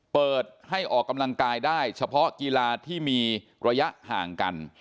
เปิดให้ออกกำลังกายได้เฉพาะกีฬาที่มีระยะห่างกัน